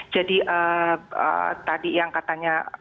jadi tadi yang katanya